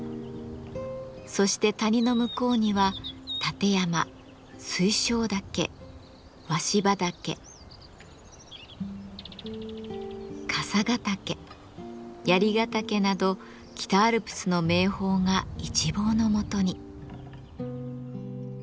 そして谷の向こうには立山水晶岳鷲羽岳笠ヶ岳槍ヶ岳など北アルプスの名峰が一望のもとに。